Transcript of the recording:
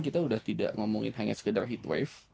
kita sudah tidak ngomongin hanya sekedar heat wave